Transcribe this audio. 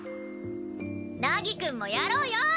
凪くんもやろうよ！